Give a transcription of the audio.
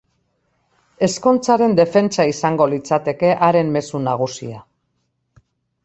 Ezkontzaren defentsa izango litzateke haren mezu nagusia.